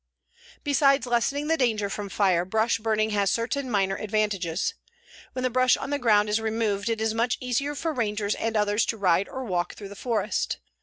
"Besides lessening the danger from fire, brush burning has certain minor advantages. When the brush on the ground is removed it is much easier for rangers and others to ride or walk through the forest.